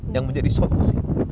yang menjadi solusi